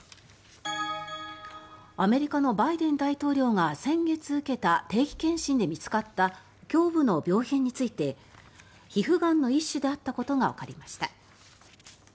アメリカのバイデン大統領が先月受けた定期健診で見つかった胸部の病変について皮膚がんの一種であったことがわかりました。